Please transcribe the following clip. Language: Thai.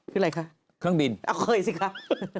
ขึ้นไหนคะเครื่องบินอ้าวเคยสิครับ